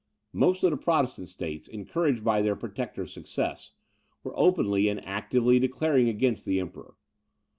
Most of the Protestant states, encouraged by their protector's success, were openly and actively declaring against the Emperor.